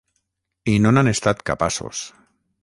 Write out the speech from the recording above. I no n’han estat capaços.